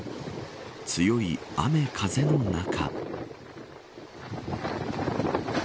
強い雨風の中。